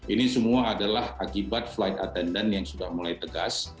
ini semua adalah akibat flight attendant yang sudah mulai tegas